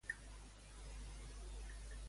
Quin paper tenia Casado en el partit?